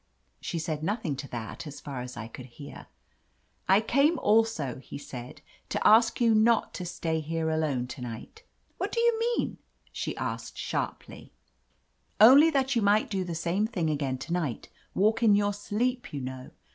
She said nothing to that, as far as I could hear. "I came also," he said, "to ask you not to stay here alone to night." What do you mean ?" she asked sharply. 121 tt^ L*l THE AMAZING ADVENTURES "Only that you might do the same thing again to night — ^walk in your sleep, you know."